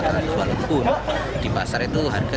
walaupun di pasar itu harga